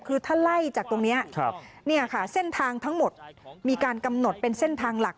คือถ้าไล่จากตรงนี้เส้นทางทั้งหมดมีการกำหนดเป็นเส้นทางหลัก